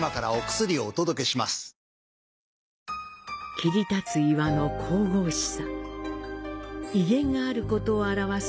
切り立つ岩の神々しさ。